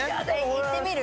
いってみる？